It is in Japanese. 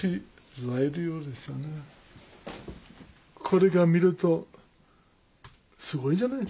これが見るとすごいじゃない。